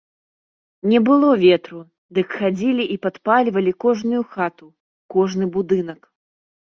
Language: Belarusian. Не было ветру, дык хадзілі і падпальвалі кожную хату, кожны будынак.